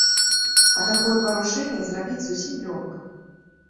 А такое парушэнне зарабіць зусім лёгка.